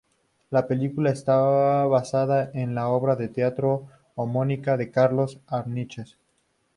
La película está basada en el la obra de teatro homónima de Carlos Arniches.